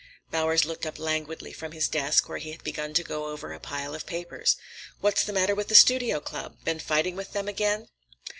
Bowers looked up languidly from his desk where he had begun to go over a pile of letters. "What's the matter with the Studio Club? Been fighting with them again?"